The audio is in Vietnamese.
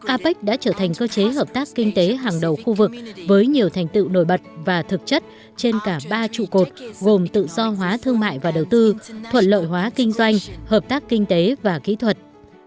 apec đã trở thành cơ chế hợp tác kinh tế hàng đầu khu vực với nhiều thành tựu nổi bật và thực chất trên cả ba trụ cột gồm tự do hóa thương mại và đầu tư thuận lợi hóa kinh doanh hợp tác kinh tế và kỹ thuật